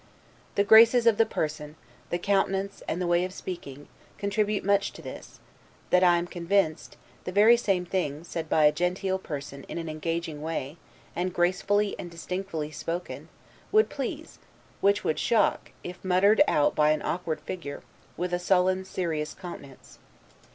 The graces of the person, the countenance, and the way of speaking, contribute so much to this, that I am convinced, the very same thing, said by a genteel person in an engaging way, and GRACEFULLY and distinctly spoken, would please, which would shock, if MUTTERED out by an awkward figure, with a sullen, serious countenance.